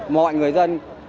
mọi người dân